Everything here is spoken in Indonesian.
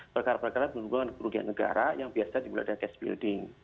perkara perkara berhubungan dengan kerugian negara yang biasa dimulai dari cash building